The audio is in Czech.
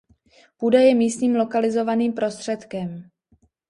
Půda je místním, lokalizovaným prostředkem.